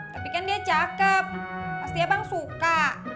tapi dia kakep pasti abang suka